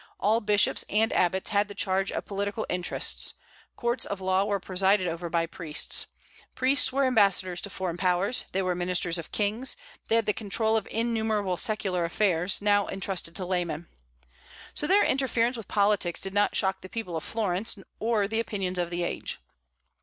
All bishops and abbots had the charge of political interests. Courts of law were presided over by priests. Priests were ambassadors to foreign powers; they were ministers of kings; they had the control of innumerable secular affairs, now intrusted to laymen. So their interference with politics did not shock the people of Florence, or the opinions of the age.